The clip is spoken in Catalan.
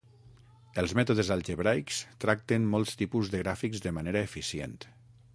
Els mètodes algebraics tracten molts tipus de gràfics de manera eficient.